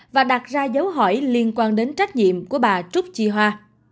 và đặt ra dấu hỏi liên quan đến trách nhiệm của bà trúc chi hoa